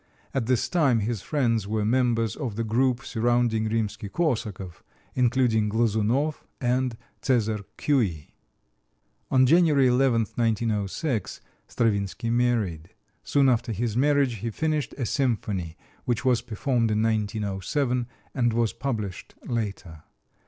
At this time his friends were members of the group surrounding Rimsky Korsakov, including Glazounov and César Cui. On January 11, 1906, Stravinsky married. Soon after his marriage he finished a symphony which was performed in 1907 and was published later.